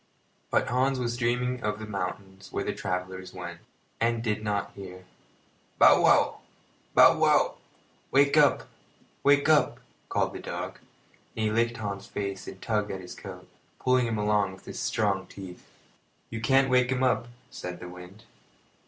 But Hans was dreaming of the mountains where the travellers went, and did not hear. "Bow wow! Bow wow! Wake up! Wake up!" called the dog; and he licked Hans's face and tugged at his coat, pulling him along with his strong teeth. "You can't wake him up," said the wind.